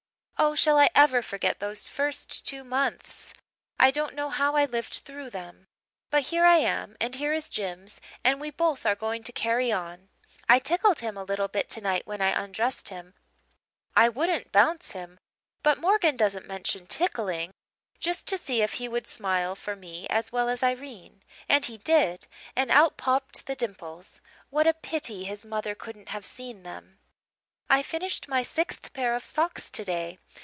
Oh, shall I ever forget those first two months! I don't know how I lived through them. But here I am and here is Jims and we both are going to 'carry on.' I tickled him a little bit tonight when I undressed him I wouldn't bounce him but Morgan doesn't mention tickling just to see if he would smile for me as well as Irene. And he did and out popped the dimples. What a pity his mother couldn't have seen them! "I finished my sixth pair of socks today.